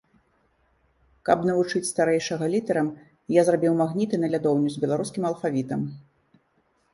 Каб навучыць старэйшага літарам, я зрабіў магніты на лядоўню з беларускім алфавітам.